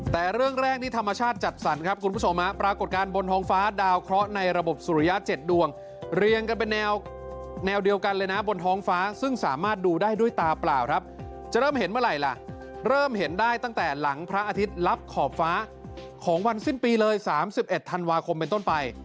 แต่เรื่องแรกนี่ธรรมชาติจัดสรรครับคุณผู้ชมปรากฏการณ์บนท้องฟ้าดาวเคราะห์ในระบบสุริยะ๗ดวงเรียงกันเป็นแนวเดียวกันเลยนะบนท้องฟ้าซึ่งสามารถดูได้ด้วยตาเปล่าครับจะเริ่มเห็นเมื่อไหร่ล่ะเริ่มเห็นได้ตั้งแต่หลังพระอาทิตย์รับขอบฟ้าของวันสิ้นปีเลย๓๑ธันวาคมเป็นต้นไป